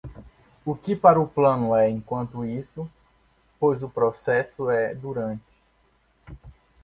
O que para o plano é "enquanto isso", pois o processo é "durante".